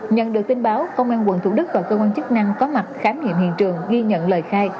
nhận được tin báo công an quận thủ đức và cơ quan chức năng có mặt khám nghiệm hiện trường ghi nhận lời khai